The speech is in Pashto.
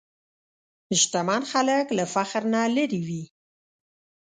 شتمن خلک له فخر نه لېرې وي.